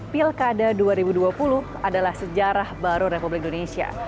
pilkada dua ribu dua puluh adalah sejarah baru republik indonesia